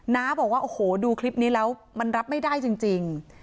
น้าบอกว่าโอ้โหดูคลิปนี้แล้วมันรับไม่ได้จริง